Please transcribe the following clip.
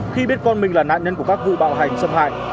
khi biết con mình là nạn nhân của các vụ bạo hành xâm hại